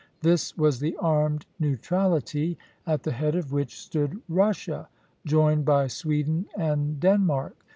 This was the Armed Neutrality, at the head of which stood Russia, joined by Sweden and Denmark.